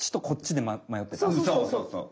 そうそうそう！